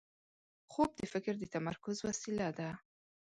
خوب د فکر د تمرکز وسیله ده